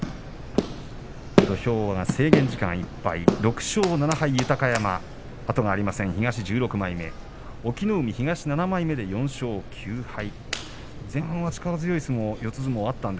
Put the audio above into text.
土俵が制限時間いっぱい６勝７敗豊山、後がありません東の１６枚目隠岐の海が東の７枚目で４勝９敗。